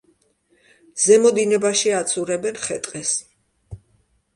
ზემო დინებაში აცურებენ ხე-ტყეს.